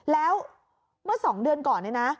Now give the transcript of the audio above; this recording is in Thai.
แล้วเมื่อ๒เดือนก่อนเนี่ยนะ